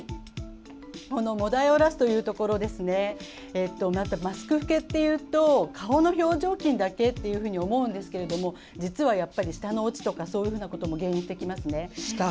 モダイオラスというところマスク老けというと顔の表情筋だけというふうに思うんですが実は、やっぱり舌の落ちとかそういうことも原因となりますね。